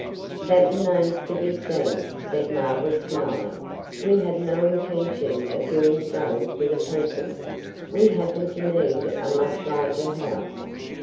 "That remains to be seen," said Margaret, smiling. "We have no intention of doing so for the present. We happen to need a much larger house.